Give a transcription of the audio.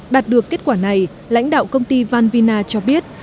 đạt được kết quả này lãnh đạo công ty vanvina cho biết